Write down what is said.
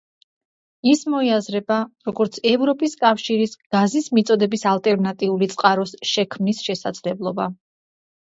ის მოიაზრება, როგორც ევროპის კავშირის გაზის მიწოდების ალტერნატიული წყაროს შექმნის შესაძლებლობა.